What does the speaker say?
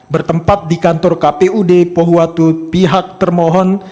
bertempat di kantor kpud pohuwatu pihak termohon